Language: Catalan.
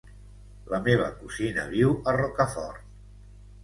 La meva cosina viu a Rocafort.